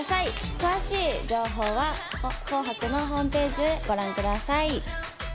詳しい情報は「紅白」のホームページでご覧ください。